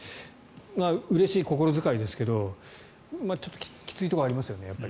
うれしい心遣いですけどちょっときついところありますよね。